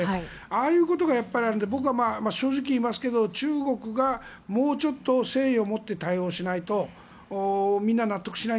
ああいうことがあったので僕は正直言いますけど中国がもうちょっと誠意をもって対応しないとみんな納得しない。